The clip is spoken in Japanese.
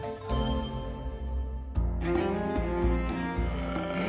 へえ。